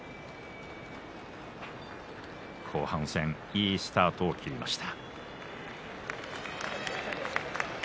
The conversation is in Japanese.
後半戦いいスタートを切りました。